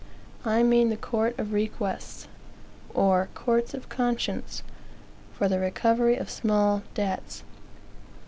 I mean the court of requests, or courts of conscience, for the recovery of small debts.